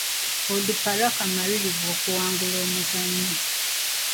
Onduparaka malirivu okuwangula omuzannyo.